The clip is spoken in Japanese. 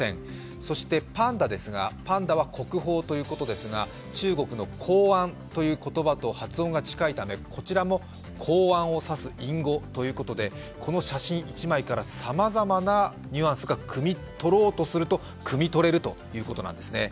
そしてパンダですが、パンダは国宝ということですが、中国の公安という言葉と発音が近いためこちらも公安を指す隠語ということで、この写真１枚からさまざまなニュアンスが、くみ取ろうとするとくみ取れるということなんですね。